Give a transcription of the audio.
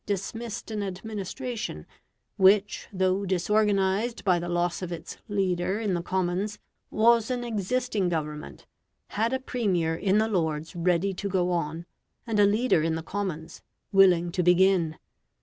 dismissed an administration which, though disorganised by the loss of its leader in the Commons, was an existing Government, had a Premier in the Lords ready to go on, and a leader in the Commons willing to begin.